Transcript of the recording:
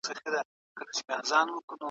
که وخت پیدا شي، مرسته به وکړم.